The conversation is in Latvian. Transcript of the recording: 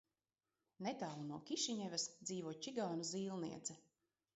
Netālu no Kišiņevas dzīvo čigānu zīlniece.